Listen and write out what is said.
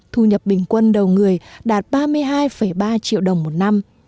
thu nhập bình quân đầu người đạt ba mươi hai ba triệu đồng một năm